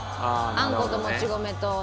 あんこともち米と砂糖で。